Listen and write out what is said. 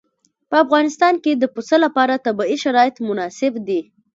په افغانستان کې د پسه لپاره طبیعي شرایط مناسب دي.